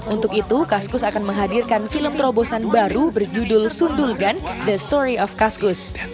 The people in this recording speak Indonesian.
untuk itu kaskus akan menghadirkan film terobosan baru berjudul sundulgan the story of caskus